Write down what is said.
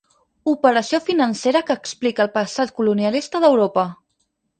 Operació financera que explica el passat colonialista d'Europa.